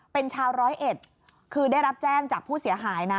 เป็นชาวร้อยเอ็ดคือได้รับแจ้งจากผู้เสียหายนะ